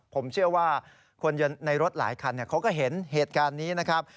ผมเชื่อว่าคนในรถหลายคันเขาก็เห็นเหตุการณ์นี้นะครับ